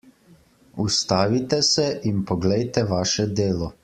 Ustavite se in poglejte vaše delo.